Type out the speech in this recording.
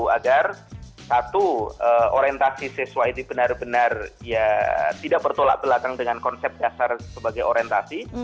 agar satu orientasi siswa ini benar benar ya tidak bertolak belakang dengan konsep dasar sebagai orientasi